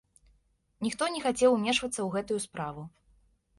Ніхто не хацеў умешвацца ў гэтую справу.